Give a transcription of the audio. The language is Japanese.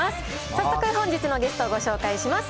早速、本日のゲストをご紹介します。